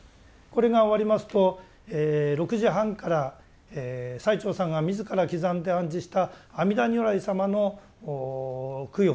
これが終わりますと６時半から最澄さんが自ら刻んで安置した阿弥陀如来様の供養